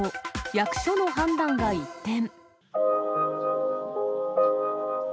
役所の判断が一転。